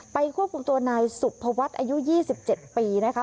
ควบคุมตัวนายสุภวัฒน์อายุ๒๗ปีนะคะ